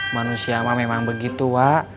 manusia emang memang begitu wak